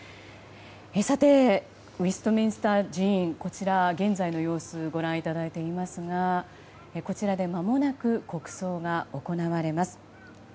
さて、ウェストミンスター寺院現在の様子をご覧いただいていますがこちらで、まもなく国葬が行われます。